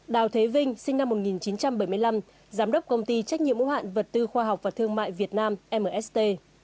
đào thế vinh sinh năm một nghìn chín trăm bảy mươi năm giám đốc công ty trách nhiệm hữu hạn vật tư khoa học và thương mại việt nam mst